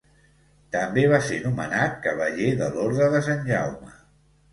També va ser nomenat cavaller de l'Orde de Sant Jaume.